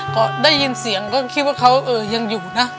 ก็ได้ยินเสียงก็คิดว่าเขายังอยู่นะ